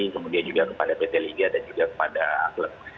kemudian juga kepada pt liga dan juga kepada klub